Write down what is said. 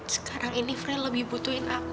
sekarang ini frank lebih butuhin aku